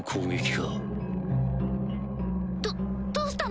どどうしたの？